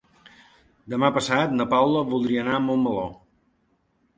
Demà passat na Paula voldria anar a Montmeló.